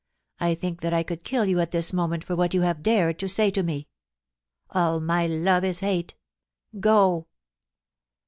I think that I could kill you at this moment for what you have dared to say to me. All my love is hate, Co!'